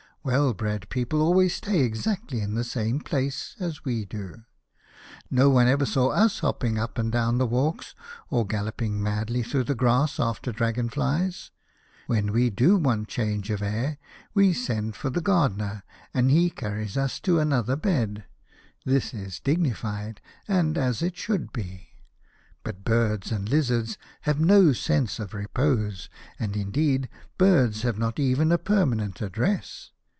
Well bred people always stay exactly in the same place, as we do. No one ever saw us hopping. up and down the walks, or galloping madly through the crass after dragon flies. When we do want change of air, we send for the gardener, and he carries us to another bed. This is dignified, and as it should be. But birds and lizards have no sense of repose, and indeed birds have not even a permanent address.